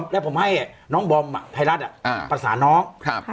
แล้วผมให้เนี้ยน้องบอมอ่ะไทยรัฐอ่ะอ่าประสานน้องครับ